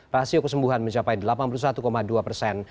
rasio kesembuhan mencapai delapan puluh satu dua persen